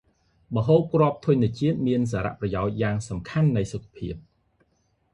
ម្ហូបគ្រាប់ធនជាតិ មានសារៈប្រយោជន៏យ៉ាងខ្លាំងនៃសុខភាព ។